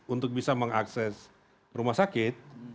untuk bisa mengakses rumah sakit